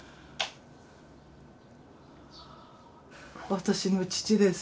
私の父です。